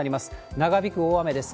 長引く大雨です。